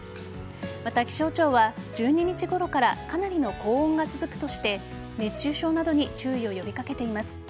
また、気象庁は１２日ごろからかなりの高温が続くとして熱中症などに注意を呼び掛けています。